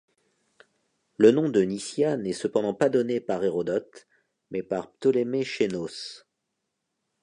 Le nom de Nyssia n'est cependant pas donné par Hérodote mais par Ptolémée Chennos.